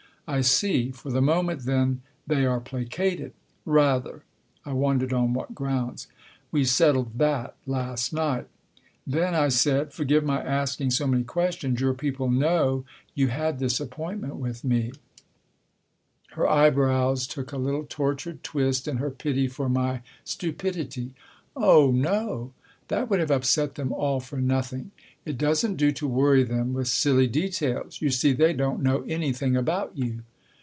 " I see. For the moment, then, they are placated ?"" Rather." (I wondered on what grounds.) " We settled that last night." ' Then " I said, " forgive my asking so many questions your people know you had this appointment with me ?" 16 Tasker Jevons Her eyebrows took a little tortured twist in her pity for my stupidity. " Oh, no. That would have upset them all for nothing. It doesn't do to worry them with silly details. You see, they don't know anything about you."